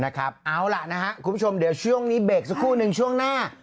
สักครั้งมันวิ่งออกมา